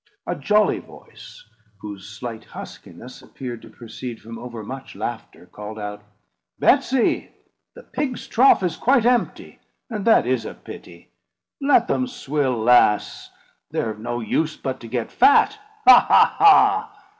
A jolly voice, whose slight huskiness appeared to proceed from overmuch laughter, called out "Betsy, the pigs' trough is quite empty, and that is a pity. Let them swill, lass! They're of no use but to get fat. Ha! ha! ha!